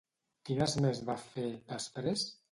Quines més va fer, després?